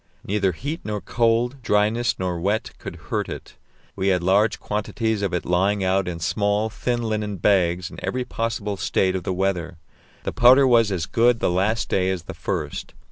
Neither heat nor cold, dryness nor wet, could hurt it; we had large quantities of it lying out in small, thin linen bags in every possible state of the weather: the powder was as good the last day as the first.